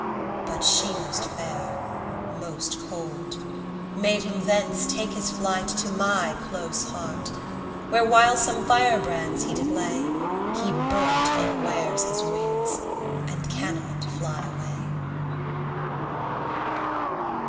But she most fair, most cold, made him thence take his flight To my close heart, where while some firebrands he did lay, He burnt un'wares his wings, and cannot fly away.